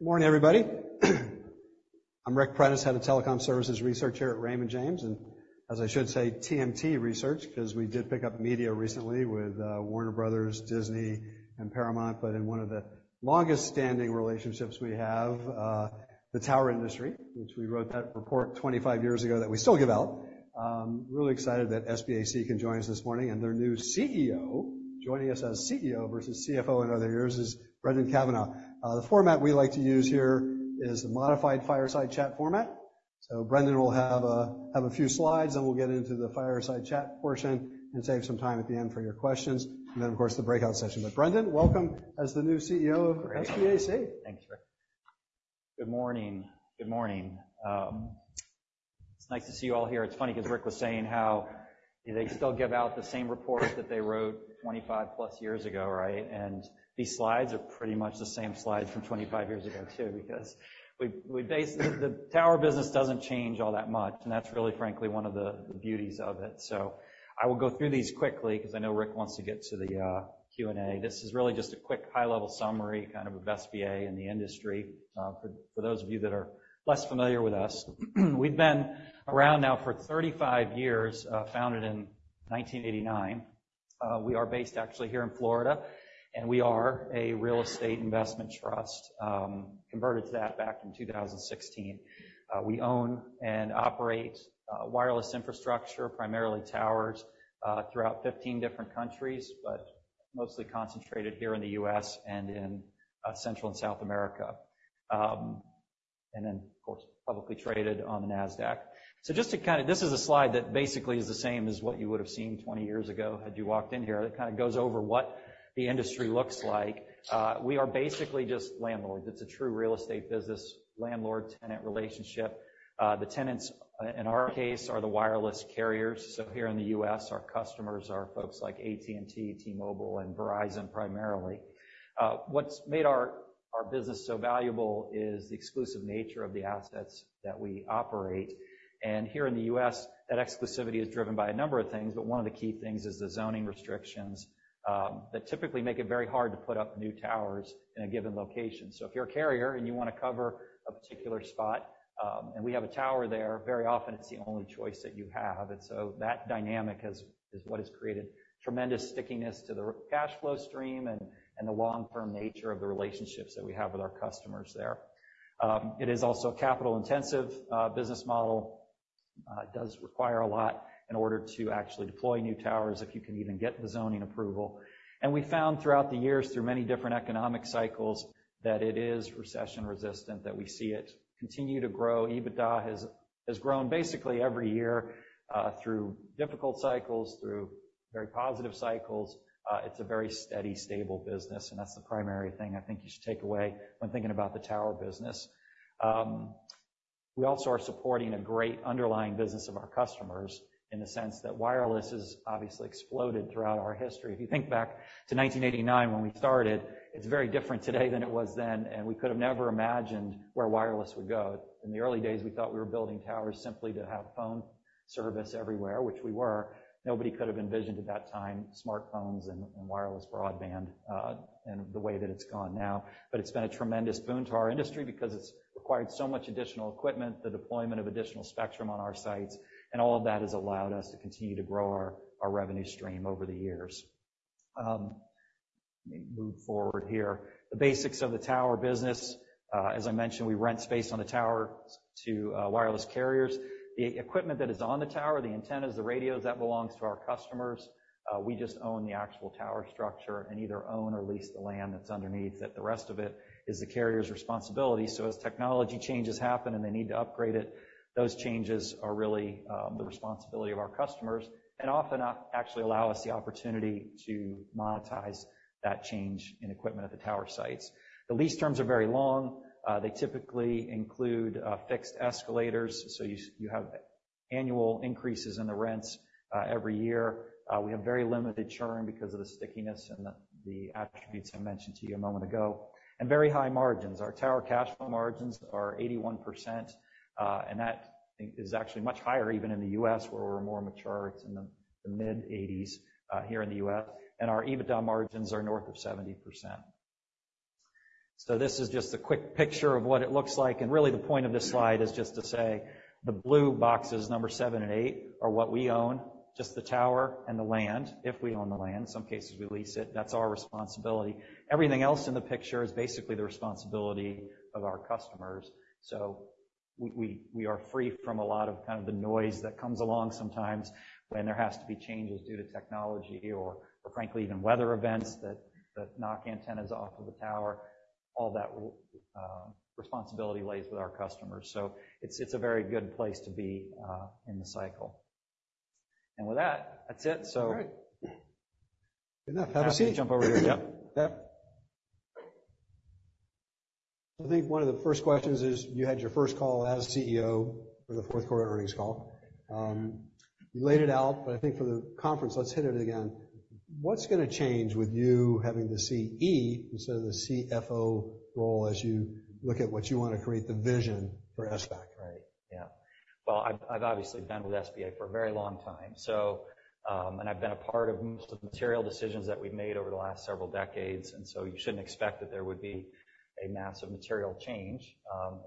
Morning, everybody. I'm Ric Prentiss, head of telecom services research here at Raymond James, and as I should say, TMT research, because we did pick up media recently with Warner Bros., Disney, and Paramount, but in one of the longest-standing relationships we have, the tower industry, which we wrote that report 25 years ago that we still give out. Really excited that SBAC can join us this morning, and their new CEO, joining us as CEO versus CFO in other years, is Brendan Cavanagh. The format we like to use here is the modified fireside chat format. So Brendan will have a few slides, then we'll get into the fireside chat portion and save some time at the end for your questions, and then, of course, the breakout session. Brendan, welcome as the new CEO of SBAC. Great. Thanks, Ric. Good morning. Good morning. It's nice to see you all here. It's funny because Ric was saying how they still give out the same report that they wrote 25+ years ago, right? And these slides are pretty much the same slides from 25 years ago too, because the tower business doesn't change all that much, and that's really, frankly, one of the beauties of it. So I will go through these quickly because I know Ric wants to get to the Q&A. This is really just a quick high-level summary, kind of of SBA and the industry. For those of you that are less familiar with us, we've been around now for 35 years, founded in 1989. We are based, actually, here in Florida, and we are a real estate investment trust, converted to that back in 2016. We own and operate wireless infrastructure, primarily towers, throughout 15 different countries, but mostly concentrated here in the U.S. and in Central and South America, and then, of course, publicly traded on the NASDAQ. So just to kind of this is a slide that basically is the same as what you would have seen 20 years ago had you walked in here. It kind of goes over what the industry looks like. We are basically just landlords. It's a true real estate business landlord-tenant relationship. The tenants, in our case, are the wireless carriers. So here in the U.S., our customers are folks like AT&T, T-Mobile, and Verizon primarily. What's made our business so valuable is the exclusive nature of the assets that we operate. And here in the U.S., that exclusivity is driven by a number of things, but one of the key things is the zoning restrictions that typically make it very hard to put up new towers in a given location. So if you're a carrier and you want to cover a particular spot, and we have a tower there, very often it's the only choice that you have. And so that dynamic is what has created tremendous stickiness to the cash flow stream and the long-term nature of the relationships that we have with our customers there. It is also a capital-intensive business model. It does require a lot in order to actually deploy new towers if you can even get the zoning approval. And we found throughout the years, through many different economic cycles, that it is recession-resistant, that we see it continue to grow. EBITDA has grown basically every year through difficult cycles, through very positive cycles. It's a very steady, stable business, and that's the primary thing I think you should take away when thinking about the tower business. We also are supporting a great underlying business of our customers in the sense that wireless has obviously exploded throughout our history. If you think back to 1989 when we started, it's very different today than it was then, and we could have never imagined where wireless would go. In the early days, we thought we were building towers simply to have phone service everywhere, which we were. Nobody could have envisioned at that time smartphones and wireless broadband and the way that it's gone now. But it's been a tremendous boon to our industry because it's required so much additional equipment, the deployment of additional spectrum on our sites, and all of that has allowed us to continue to grow our revenue stream over the years. Let me move forward here. The basics of the tower business. As I mentioned, we rent space on the tower to wireless carriers. The equipment that is on the tower, the antennas, the radios, that belongs to our customers. We just own the actual tower structure and either own or lease the land that's underneath it. The rest of it is the carrier's responsibility. So as technology changes happen and they need to upgrade it, those changes are really the responsibility of our customers and often actually allow us the opportunity to monetize that change in equipment at the tower sites. The lease terms are very long. They typically include fixed escalators, so you have annual increases in the rents every year. We have very limited churn because of the stickiness and the attributes I mentioned to you a moment ago, and very high margins. Our tower cash flow margins are 81%, and that is actually much higher even in the U.S. where we're more mature. It's in the mid-80s% here in the U.S., and our EBITDA margins are north of 70%. So this is just a quick picture of what it looks like, and really the point of this slide is just to say the blue boxes, number 7 and 8, are what we own, just the tower and the land. If we own the land, in some cases we lease it. That's our responsibility. Everything else in the picture is basically the responsibility of our customers. We are free from a lot of kind of the noise that comes along sometimes when there has to be changes due to technology or, frankly, even weather events that knock antennas off of the tower. All that responsibility lays with our customers. It's a very good place to be in the cycle. With that, that's it. All right. Enough. Have a seat. I'm going to jump over here. Yep. Yep. I think one of the first questions is you had your first call as CEO for the fourth quarter earnings call. You laid it out, but I think for the conference, let's hit it again. What's going to change with you having the CEO instead of the CFO role as you look at what you want to create, the vision for SBAC? Right. Yeah. Well, I've obviously been with SBA for a very long time, and I've been a part of most of the material decisions that we've made over the last several decades, and so you shouldn't expect that there would be a massive material change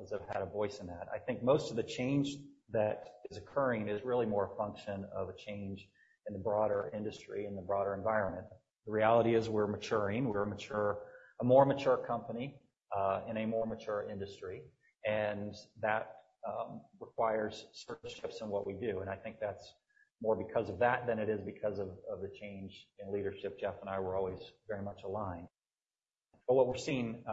as I've had a voice in that. I think most of the change that is occurring is really more a function of a change in the broader industry, in the broader environment. The reality is we're maturing. We're a more mature company in a more mature industry, and that requires certain shifts in what we do. And I think that's more because of that than it is because of the change in leadership. Jeff and I, we're always very much aligned. But what we're seeing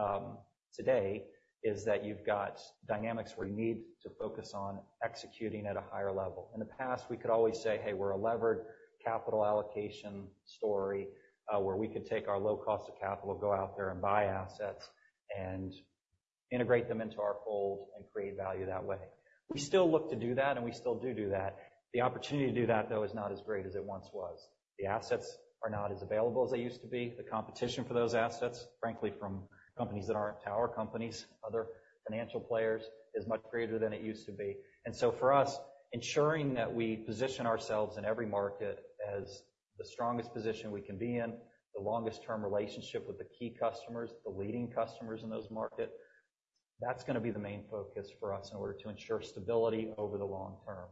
today is that you've got dynamics where you need to focus on executing at a higher level. In the past, we could always say, "Hey, we're a levered capital allocation story where we could take our low cost of capital, go out there and buy assets and integrate them into our fold and create value that way." We still look to do that, and we still do do that. The opportunity to do that, though, is not as great as it once was. The assets are not as available as they used to be. The competition for those assets, frankly, from companies that aren't tower companies, other financial players, is much greater than it used to be. And so for us, ensuring that we position ourselves in every market as the strongest position we can be in, the longest-term relationship with the key customers, the leading customers in those markets, that's going to be the main focus for us in order to ensure stability over the long term.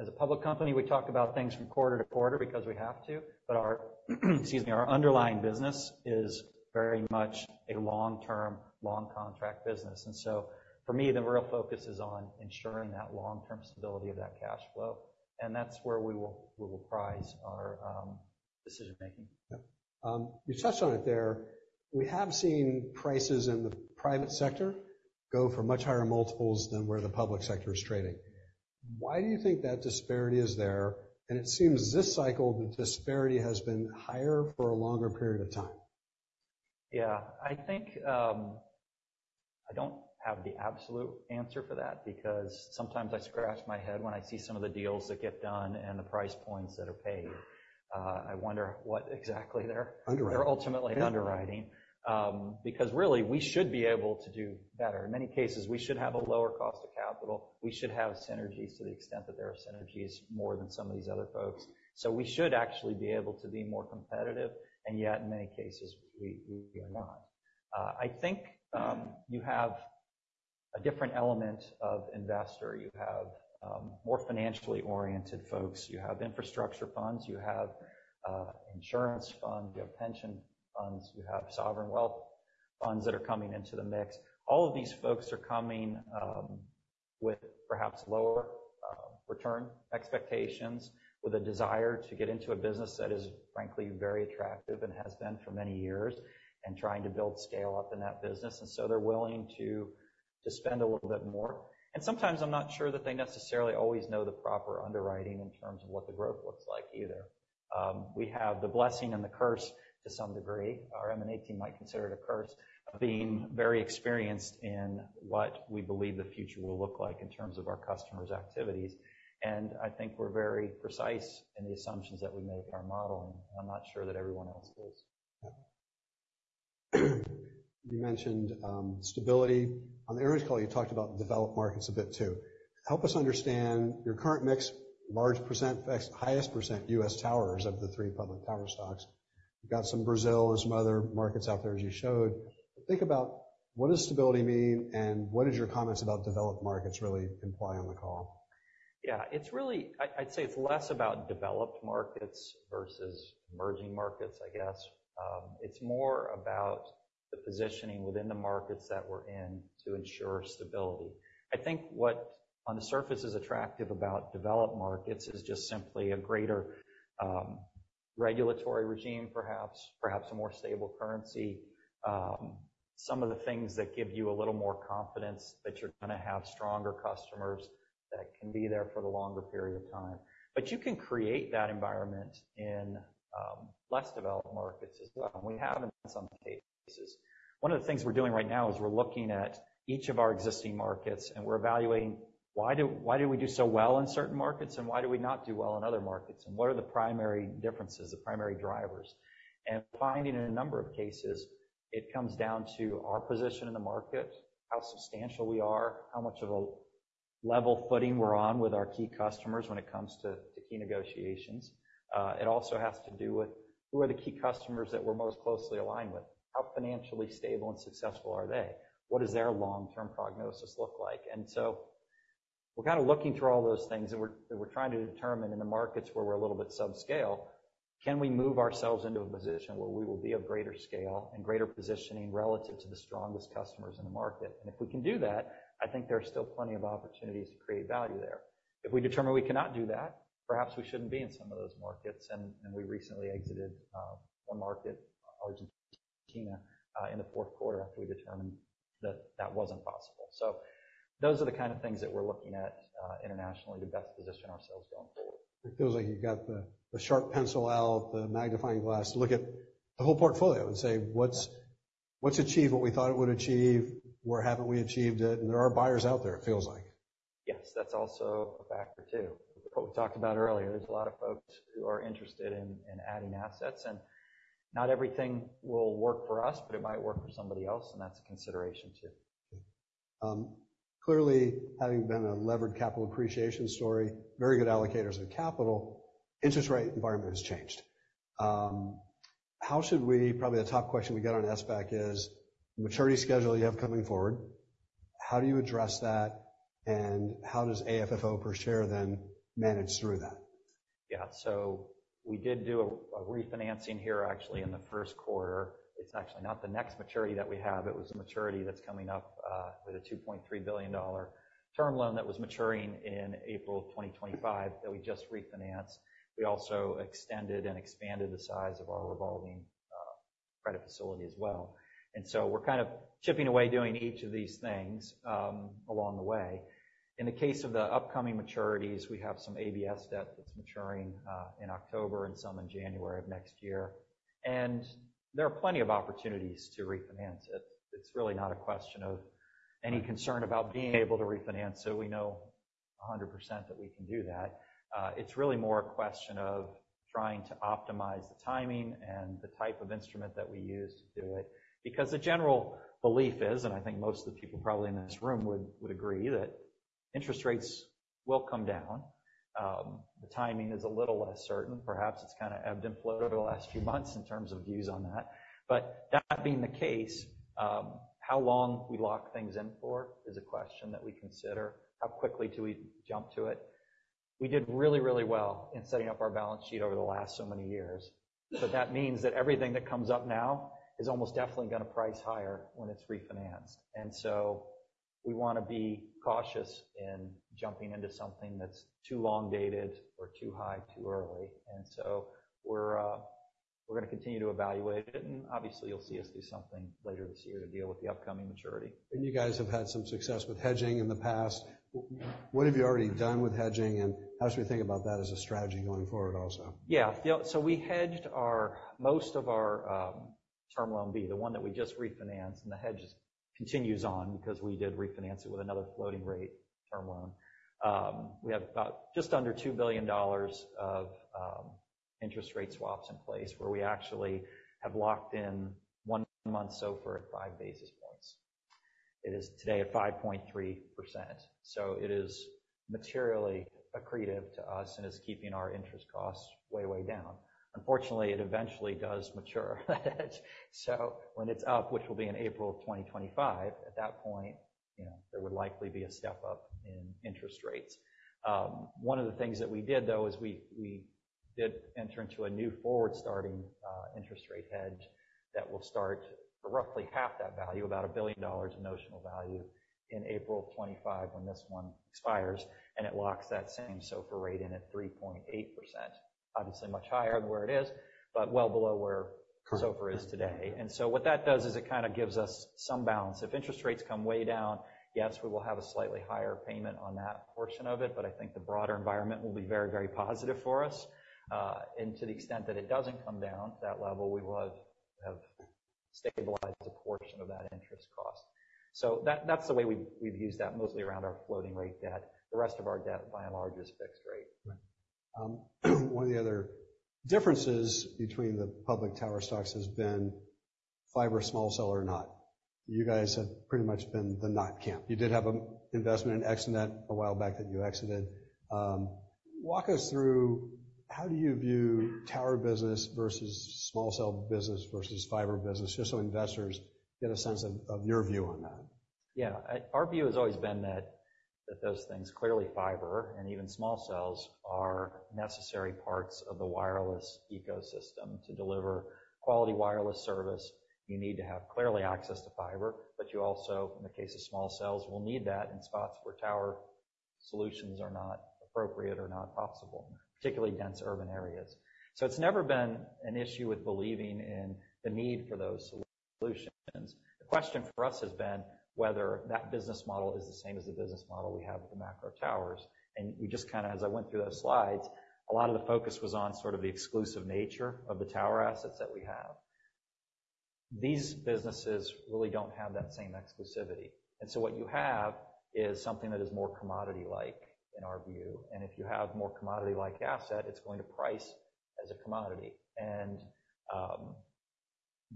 As a public company, we talk about things from quarter to quarter because we have to, but our - excuse me - our underlying business is very much a long-term, long-contract business. And so for me, the real focus is on ensuring that long-term stability of that cash flow, and that's where we will prize our decision-making. Yep. You touched on it there. We have seen prices in the private sector go for much higher multiples than where the public sector is trading. Why do you think that disparity is there? It seems this cycle, the disparity has been higher for a longer period of time. Yeah. I don't have the absolute answer for that because sometimes I scratch my head when I see some of the deals that get done and the price points that are paid. I wonder what exactly they're ultimately underwriting because, really, we should be able to do better. In many cases, we should have a lower cost of capital. We should have synergies to the extent that there are synergies more than some of these other folks. So we should actually be able to be more competitive, and yet, in many cases, we are not. I think you have a different element of investor. You have more financially oriented folks. You have infrastructure funds. You have insurance funds. You have pension funds. You have sovereign wealth funds that are coming into the mix. All of these folks are coming with perhaps lower return expectations, with a desire to get into a business that is, frankly, very attractive and has been for many years, and trying to build scale up in that business. And so they're willing to spend a little bit more. And sometimes I'm not sure that they necessarily always know the proper underwriting in terms of what the growth looks like either. We have the blessing and the curse to some degree. Our M&A team might consider it a curse of being very experienced in what we believe the future will look like in terms of our customers' activities. And I think we're very precise in the assumptions that we make in our modeling, and I'm not sure that everyone else is. Yeah. You mentioned stability. On the earnings call, you talked about developed markets a bit too. Help us understand your current mix, large percent, highest percent U.S. towers of the three public tower stocks. You've got some Brazil and some other markets out there as you showed. Think about what does stability mean, and what did your comments about developed markets really imply on the call? Yeah. I'd say it's less about developed markets versus emerging markets, I guess. It's more about the positioning within the markets that we're in to ensure stability. I think what, on the surface, is attractive about developed markets is just simply a greater regulatory regime, perhaps, perhaps a more stable currency, some of the things that give you a little more confidence that you're going to have stronger customers that can be there for the longer period of time. But you can create that environment in less developed markets as well. We have in some cases. One of the things we're doing right now is we're looking at each of our existing markets, and we're evaluating, "Why do we do so well in certain markets, and why do we not do well in other markets? And what are the primary differences, the primary drivers?" Finding, in a number of cases, it comes down to our position in the market, how substantial we are, how much of a level footing we're on with our key customers when it comes to key negotiations. It also has to do with who are the key customers that we're most closely aligned with, how financially stable and successful are they, what does their long-term prognosis look like? We're kind of looking through all those things, and we're trying to determine in the markets where we're a little bit subscale, can we move ourselves into a position where we will be of greater scale and greater positioning relative to the strongest customers in the market? If we can do that, I think there's still plenty of opportunities to create value there. If we determine we cannot do that, perhaps we shouldn't be in some of those markets. We recently exited one market, Argentina, in the fourth quarter after we determined that that wasn't possible. Those are the kind of things that we're looking at internationally to best position ourselves going forward. It feels like you've got the sharp pencil out, the magnifying glass to look at the whole portfolio and say, "What's achieved what we thought it would achieve? Where haven't we achieved it?" And there are buyers out there, it feels like. Yes. That's also a factor too. What we talked about earlier, there's a lot of folks who are interested in adding assets, and not everything will work for us, but it might work for somebody else, and that's a consideration too. Okay. Clearly, having been a levered capital appreciation story, very good allocators of capital, interest rate environment has changed. How should we probably the top question we get on SBAC is maturity schedule you have coming forward. How do you address that, and how does AFFO per share then manage through that? Yeah. So we did do a refinancing here, actually, in the first quarter. It's actually not the next maturity that we have. It was a maturity that's coming up with a $2.3 billion term loan that was maturing in April of 2025 that we just refinanced. We also extended and expanded the size of our revolving credit facility as well. And so we're kind of chipping away doing each of these things along the way. In the case of the upcoming maturities, we have some ABS debt that's maturing in October and some in January of next year, and there are plenty of opportunities to refinance it. It's really not a question of any concern about being able to refinance, so we know 100% that we can do that. It's really more a question of trying to optimize the timing and the type of instrument that we use to do it because the general belief is, and I think most of the people probably in this room would agree, that interest rates will come down. The timing is a little less certain. Perhaps it's kind of ebbed and flowed over the last few months in terms of views on that. That being the case, how long we lock things in for is a question that we consider. How quickly do we jump to it? We did really, really well in setting up our balance sheet over the last so many years, but that means that everything that comes up now is almost definitely going to price higher when it's refinanced. We want to be cautious in jumping into something that's too long-dated or too high too early. We're going to continue to evaluate it, and obviously, you'll see us do something later this year to deal with the upcoming maturity. You guys have had some success with hedging in the past. What have you already done with hedging, and how should we think about that as a strategy going forward also? Yeah. So we hedged most of our Term Loan B, the one that we just refinanced, and the hedge continues on because we did refinance it with another floating-rate term loan. We have just under $2 billion of interest rate swaps in place where we actually have locked in one month so far at five basis points. It is today at 5.3%. So it is materially accretive to us and is keeping our interest costs way, way down. Unfortunately, it eventually does mature. So when it's up, which will be in April of 2025, at that point, there would likely be a step up in interest rates. One of the things that we did, though, is we did enter into a new forward-starting interest rate hedge that will start for roughly half that value, about $1 billion in notional value, in April of 2025 when this one expires, and it locks that same SOFR rate in at 3.8%, obviously much higher than where it is but well below where SOFR is today. And so what that does is it kind of gives us some balance. If interest rates come way down, yes, we will have a slightly higher payment on that portion of it, but I think the broader environment will be very, very positive for us. And to the extent that it doesn't come down to that level, we will have stabilized a portion of that interest cost. So that's the way we've used that, mostly around our floating-rate debt. The rest of our debt, by and large, is fixed rate. Right. One of the other differences between the public tower stocks has been fiber small cell or not. You guys have pretty much been the not camp. You did have an investment in Extenet a while back that you exited. Walk us through how do you view tower business versus small cell business versus fiber business, just so investors get a sense of your view on that? Yeah. Our view has always been that those things, clearly fiber and even small cells, are necessary parts of the wireless ecosystem to deliver quality wireless service. You need to have clearly access to fiber, but you also, in the case of small cells, will need that in spots where tower solutions are not appropriate or not possible, particularly dense urban areas. So it's never been an issue with believing in the need for those solutions. The question for us has been whether that business model is the same as the business model we have with the macro towers. We just kind of, as I went through those slides, a lot of the focus was on sort of the exclusive nature of the tower assets that we have. These businesses really don't have that same exclusivity. So what you have is something that is more commodity-like in our view. If you have more commodity-like asset, it's going to price as a commodity.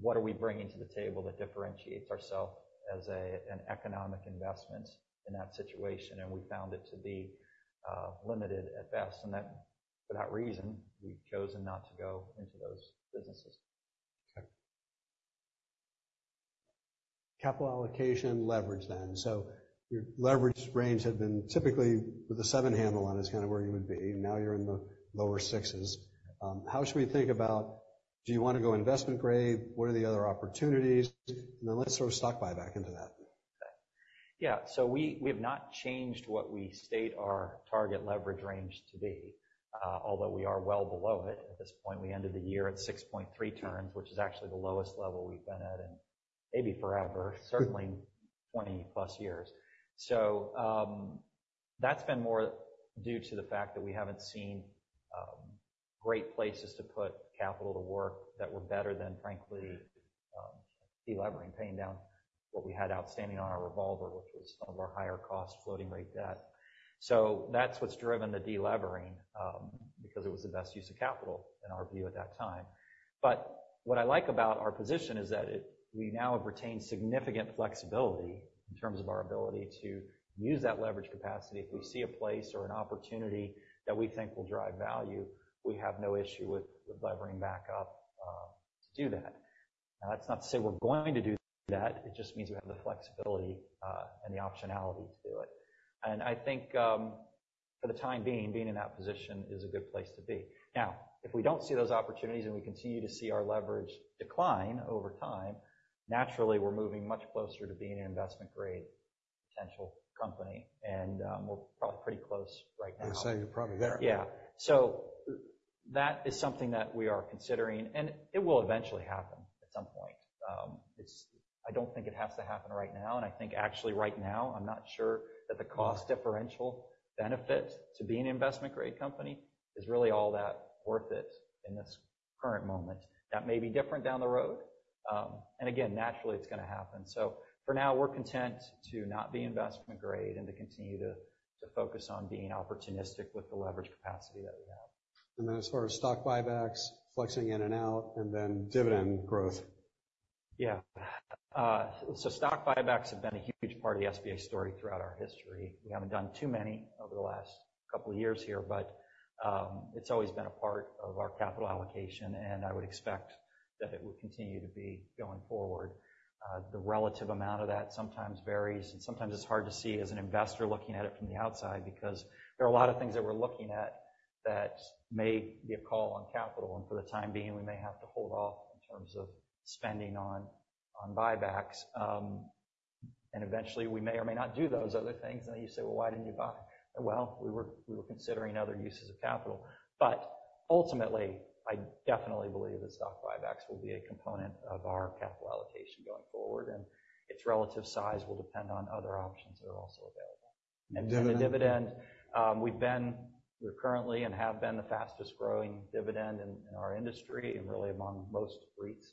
What are we bringing to the table that differentiates ourselves as an economic investment in that situation? We found it to be limited at best. For that reason, we've chosen not to go into those businesses. Okay. Capital allocation leverage then. So your leverage range had been typically with a 7 handle on is kind of where you would be. Now you're in the lower 6s. How should we think about do you want to go investment grade? What are the other opportunities? And then let's sort of stock buy back into that. Okay. Yeah. So we have not changed what we state our target leverage range to be, although we are well below it at this point. We ended the year at 6.3 turns, which is actually the lowest level we've been at in maybe forever, certainly 20+ years. So that's been more due to the fact that we haven't seen great places to put capital to work that were better than, frankly, delevering, paying down what we had outstanding on our revolver, which was some of our higher-cost floating-rate debt. So that's what's driven the delevering because it was the best use of capital, in our view, at that time. But what I like about our position is that we now have retained significant flexibility in terms of our ability to use that leverage capacity. If we see a place or an opportunity that we think will drive value, we have no issue with levering back up to do that. Now, that's not to say we're going to do that. It just means we have the flexibility and the optionality to do it. And I think, for the time being, being in that position is a good place to be. Now, if we don't see those opportunities and we continue to see our leverage decline over time, naturally, we're moving much closer to being an investment grade potential company, and we're probably pretty close right now. You're saying you're probably there. Yeah. So that is something that we are considering, and it will eventually happen at some point. I don't think it has to happen right now. And I think, actually, right now, I'm not sure that the cost differential benefit to being an investment grade company is really all that worth it in this current moment. That may be different down the road. And again, naturally, it's going to happen. So for now, we're content to not be investment grade and to continue to focus on being opportunistic with the leverage capacity that we have. And then as far as stock buybacks, flexing in and out, and then dividend growth. Yeah. So stock buybacks have been a huge part of the SBA story throughout our history. We haven't done too many over the last couple of years here, but it's always been a part of our capital allocation, and I would expect that it would continue to be going forward. The relative amount of that sometimes varies, and sometimes it's hard to see as an investor looking at it from the outside because there are a lot of things that we're looking at that may be a call on capital. And for the time being, we may have to hold off in terms of spending on buybacks. And eventually, we may or may not do those other things. And then you say, "Well, why didn't you buy?" Well, we were considering other uses of capital. Ultimately, I definitely believe that stock buybacks will be a component of our capital allocation going forward, and its relative size will depend on other options that are also available. Then the dividend, we're currently and have been the fastest-growing dividend in our industry and really among most REITs.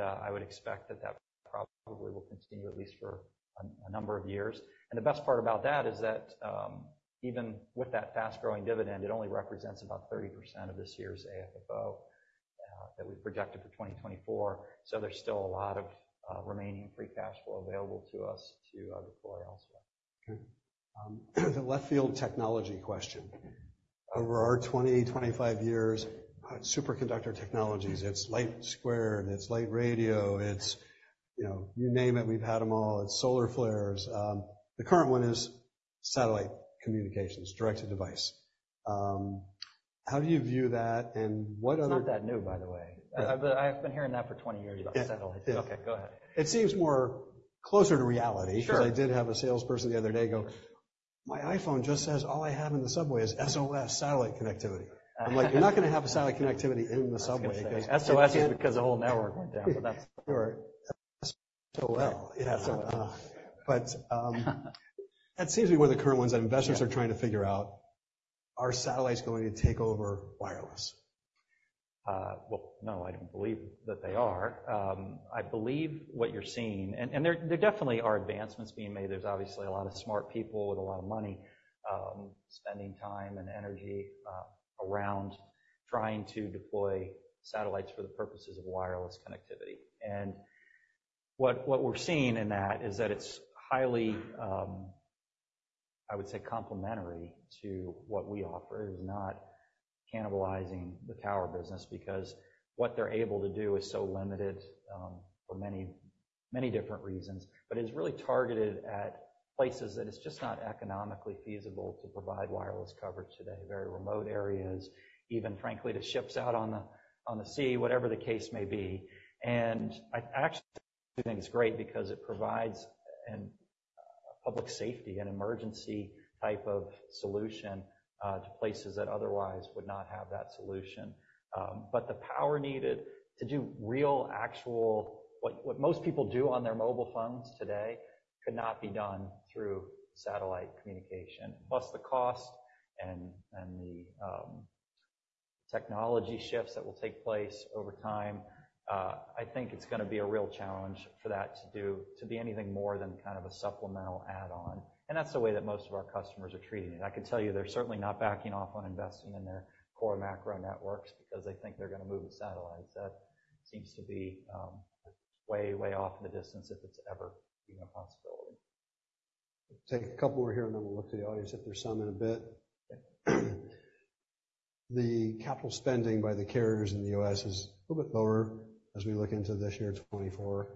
I would expect that that probably will continue at least for a number of years. The best part about that is that even with that fast-growing dividend, it only represents about 30% of this year's AFFO that we projected for 2024. There's still a lot of remaining free cash flow available to us to deploy elsewhere. Okay. The left field technology question. Over our 20-25 years, Superconductor Technologies, it's LightSquared, it's lightRadio, it's you name it, we've had them all. It's solar flares. The current one is satellite communications, direct-to-device. How do you view that, and what other? It's not that new, by the way. I've been hearing that for 20 years, about satellites. Okay. Go ahead. It seems more closer to reality because I did have a salesperson the other day go, "My iPhone just says all I have in the subway is SOS satellite connectivity." I'm like, "You're not going to have a satellite connectivity in the subway because. So it's because the whole network went down, but that's. SOL. Yeah. But that seems to be one of the current ones that investors are trying to figure out. Are satellites going to take over wireless? Well, no, I don't believe that they are. I believe what you're seeing and there definitely are advancements being made. There's obviously a lot of smart people with a lot of money spending time and energy around trying to deploy satellites for the purposes of wireless connectivity. And what we're seeing in that is that it's highly, I would say, complementary to what we offer. It is not cannibalizing the tower business because what they're able to do is so limited for many different reasons, but it is really targeted at places that it's just not economically feasible to provide wireless coverage today, very remote areas, even, frankly, to ships out on the sea, whatever the case may be. And actually, I do think it's great because it provides public safety, an emergency type of solution to places that otherwise would not have that solution. But the power needed to do real, actual what most people do on their mobile phones today could not be done through satellite communication, plus the cost and the technology shifts that will take place over time. I think it's going to be a real challenge for that to be anything more than kind of a supplemental add-on. And that's the way that most of our customers are treating it. I can tell you they're certainly not backing off on investing in their core macro networks because they think they're going to move to satellites. That seems to be way, way off in the distance if it's ever even a possibility. Take a couple over here, and then we'll look to the audience if there's some in a bit. The capital spending by the carriers in the U.S. is a little bit lower as we look into this year, 2024.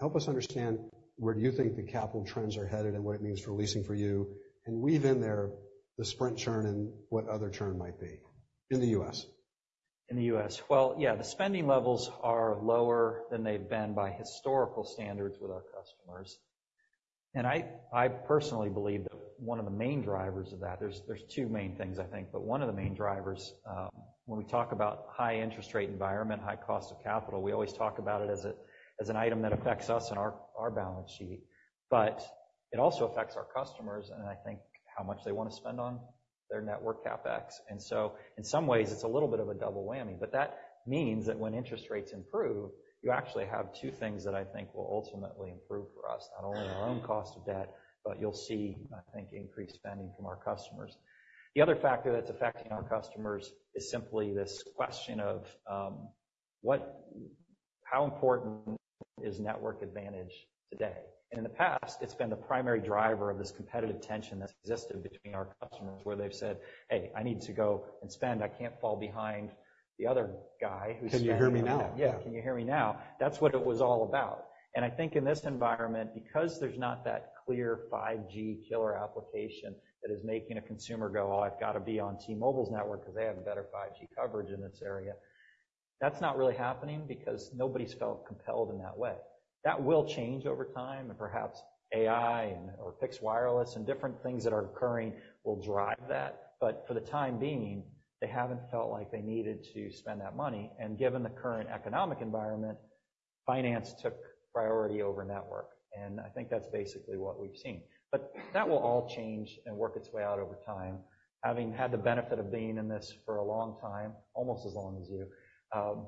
Help us understand where do you think the capital trends are headed and what it means for leasing for you and weave in there the Sprint churn and what other churn might be in the U.S. In the U.S.? Well, yeah, the spending levels are lower than they've been by historical standards with our customers. And I personally believe that one of the main drivers of that there's two main things, I think, but one of the main drivers when we talk about high interest rate environment, high cost of capital, we always talk about it as an item that affects us and our balance sheet, but it also affects our customers and I think how much they want to spend on their network capex. And so in some ways, it's a little bit of a double whammy. But that means that when interest rates improve, you actually have two things that I think will ultimately improve for us, not only our own cost of debt, but you'll see, I think, increased spending from our customers. The other factor that's affecting our customers is simply this question of how important is network advantage today? In the past, it's been the primary driver of this competitive tension that's existed between our customers where they've said, "Hey, I need to go and spend. I can't fall behind the other guy who's spending. Can you hear me now? Yeah. Can you hear me now? That's what it was all about. I think in this environment, because there's not that clear 5G killer application that is making a consumer go, "Oh, I've got to be on T-Mobile's network because they have better 5G coverage in this area," that's not really happening because nobody's felt compelled in that way. That will change over time, and perhaps AI or fixed wireless and different things that are occurring will drive that. But for the time being, they haven't felt like they needed to spend that money. Given the current economic environment, finance took priority over network. I think that's basically what we've seen. But that will all change and work its way out over time. Having had the benefit of being in this for a long time, almost as long as you,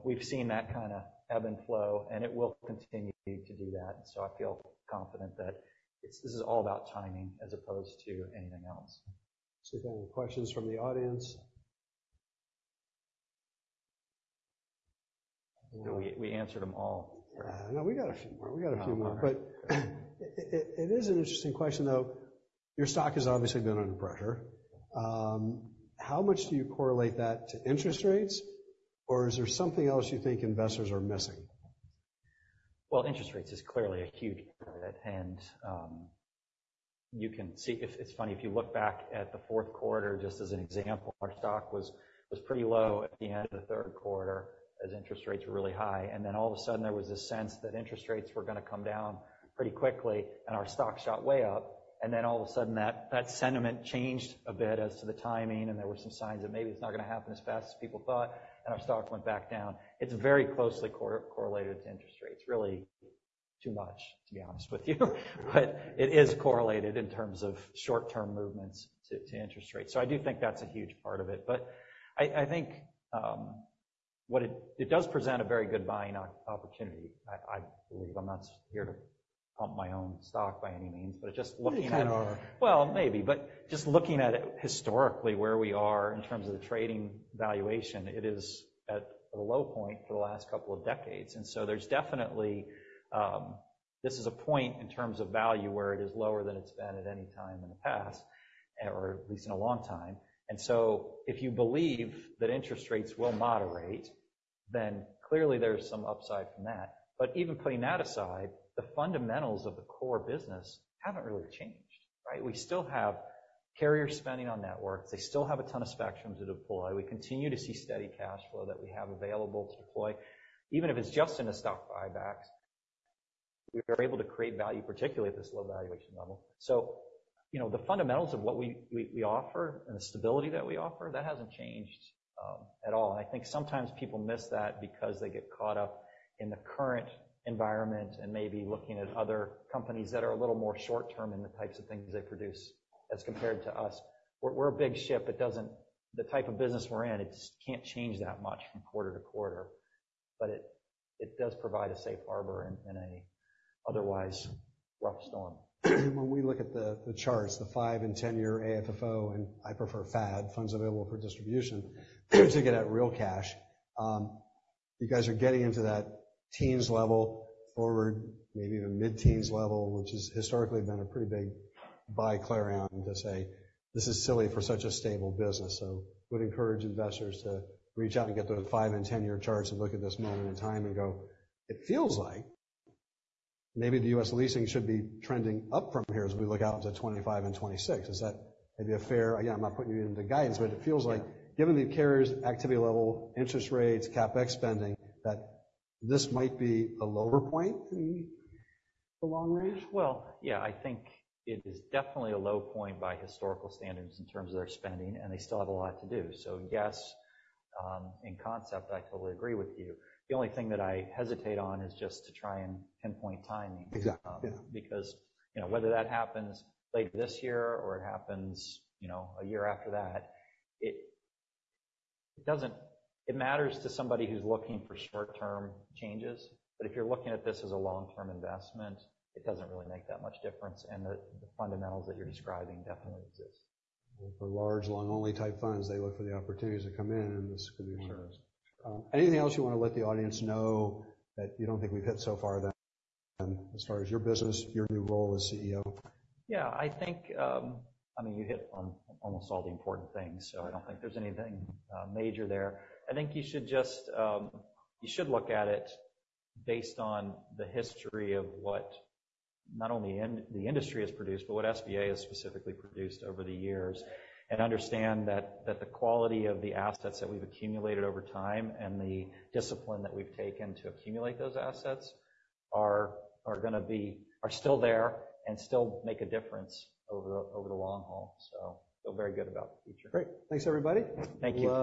we've seen that kind of ebb and flow, and it will continue to do that. And so I feel confident that this is all about timing as opposed to anything else. See if we have any questions from the audience. We answered them all. No, we got a few more. We got a few more. But it is an interesting question, though. Your stock has obviously been under pressure. How much do you correlate that to interest rates, or is there something else you think investors are missing? Well, interest rates is clearly a huge part of it. And it's funny, if you look back at the fourth quarter, just as an example, our stock was pretty low at the end of the third quarter as interest rates were really high. And then all of a sudden, there was this sense that interest rates were going to come down pretty quickly, and our stock shot way up. And then all of a sudden, that sentiment changed a bit as to the timing, and there were some signs that maybe it's not going to happen as fast as people thought, and our stock went back down. It's very closely correlated to interest rates. Really too much, to be honest with you. But it is correlated in terms of short-term movements to interest rates. So I do think that's a huge part of it. But I think it does present a very good buying opportunity, I believe. I'm not here to pump my own stock by any means, but just looking at it. You can or. Well, maybe. But just looking at it historically, where we are in terms of the trading valuation, it is at a low point for the last couple of decades. And so there's definitely this is a point in terms of value where it is lower than it's been at any time in the past or at least in a long time. And so if you believe that interest rates will moderate, then clearly, there's some upside from that. But even putting that aside, the fundamentals of the core business haven't really changed, right? We still have carrier spending on networks. They still have a ton of spectrums to deploy. We continue to see steady cash flow that we have available to deploy. Even if it's just in the stock buybacks, we are able to create value, particularly at this low valuation level. The fundamentals of what we offer and the stability that we offer, that hasn't changed at all. I think sometimes people miss that because they get caught up in the current environment and maybe looking at other companies that are a little more short-term in the types of things they produce as compared to us. We're a big ship. The type of business we're in, it can't change that much from quarter to quarter, but it does provide a safe harbor in an otherwise rough storm. When we look at the charts, the 5- and 10-year AFFO, and I prefer FAD, funds available for distribution, to get at real cash, you guys are getting into that teens level, forward, maybe even mid-teens level, which has historically been a pretty big buy clarion to say, "This is silly for such a stable business." So I would encourage investors to reach out and get those 5- and 10-year charts and look at this moment in time and go, "It feels like maybe the U.S. leasing should be trending up from here as we look out to 2025 and 2026." Is that maybe a fair again, I'm not putting you into guidance, but it feels like, given the carrier's activity level, interest rates, CapEx spending, that this might be a lower point in the long range? Well, yeah, I think it is definitely a low point by historical standards in terms of their spending, and they still have a lot to do. So yes, in concept, I totally agree with you. The only thing that I hesitate on is just to try and pinpoint timing because whether that happens late this year or it happens a year after that, it matters to somebody who's looking for short-term changes. But if you're looking at this as a long-term investment, it doesn't really make that much difference. And the fundamentals that you're describing definitely exist. For large, long-only type funds, they look for the opportunities to come in, and this could be one. Sure is. Anything else you want to let the audience know that you don't think we've hit so far then as far as your business, your new role as CEO? Yeah. I mean, you hit on almost all the important things, so I don't think there's anything major there. I think you should look at it based on the history of what not only the industry has produced, but what SBA has specifically produced over the years and understand that the quality of the assets that we've accumulated over time and the discipline that we've taken to accumulate those assets are going to be still there and still make a difference over the long haul. So feel very good about the future. Great. Thanks, everybody. Thank you.